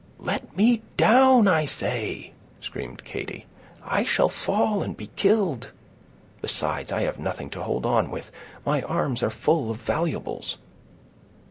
"Let me down, I say," screamed Katy; "I shall fall and be killed. Besides, I have nothing to hold on with; my arms are full of valuables."